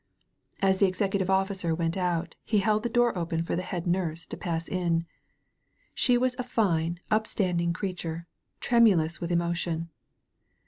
As the Executive OflScer went out he held the door open for the Head Nurse to pass in. She was a fine, upstanding creature, tremulous with emo tion.